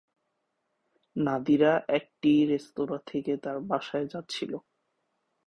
নাদিরা একটি রেস্তোঁরা থেকে তার বাসায় যাচ্ছিল।